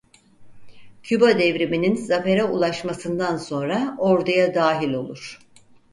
Küba Devriminin zafere ulaşmasından sonra orduya dahil olur.